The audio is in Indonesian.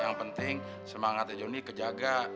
yang penting semangatnya joni kejaga